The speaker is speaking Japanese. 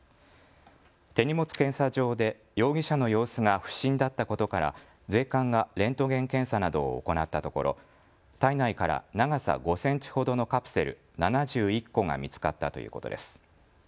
手荷物検査場で容疑者の様子が不審だったことから税関がレントゲン検査などを行ったところ、体内から長さ５センチほどのカプセル７１個が見つかったということです。